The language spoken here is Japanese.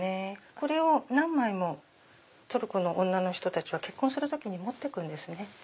これを何枚もトルコの女の人たちは結婚する時に持って行くんです。